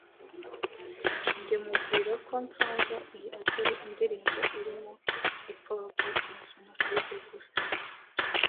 Jye mubwira ko nsanga iyi atari indirimbo irimo ipfobya rya jenoside gusa